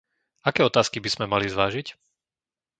Aké otázky by sme mali zvážiť?